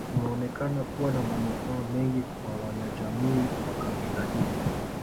Unaonekana kuwa na manufaa mengi kwa wanajamii wa kabila hilo